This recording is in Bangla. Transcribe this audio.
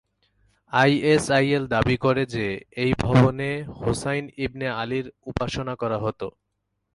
আইএসআইএল দাবি করে যে এই ভবনে হোসাইন ইবনে আলীর "উপাসনা" করা হতো।